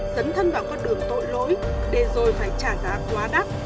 dấn thân vào con đường tội lỗi để rồi phải trả giá quá đắt